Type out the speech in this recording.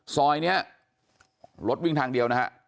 ซอยนี้รถวิ่งทางเดียวนะฮะ